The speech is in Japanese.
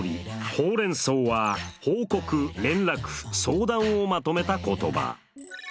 「ホウ・レン・ソウ」は報告・連絡・相談をまとめた言葉。